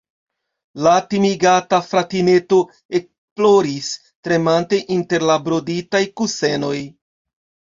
La timigata fratineto ekploris, tremante inter la broditaj kusenoj.